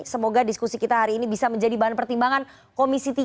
semoga diskusi kita hari ini bisa menjadi bahan pertimbangan komisi tiga